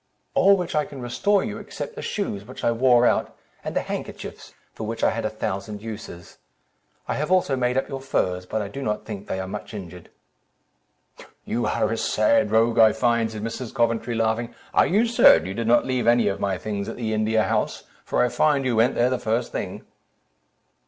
"All which I can restore you, except the shoes, which I wore out, and the handkerchiefs, for which I had a thousand uses. I have also made up your furs, but I do not think they are much injured." "You are a sad rogue, I find," said Mrs. Coventry, laughing. "Are you certain you did not leave any of my things at the India House, for I find you went there the first thing?"